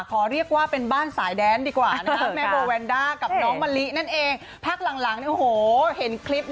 ขอเรียกว่าเป็นบ้านสายแดนดีกว่าน่ะครับ